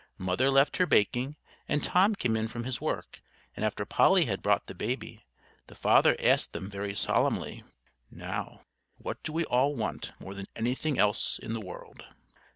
Mother left her baking, and Tom came in from his work; and after Polly had brought the baby, the father asked them very solemnly: "Now, what do we all want more than anything else in the world?"